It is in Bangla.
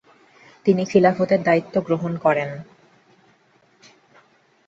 তিনি খিলাফতের দায়িত্ব গ্রহণ করেন।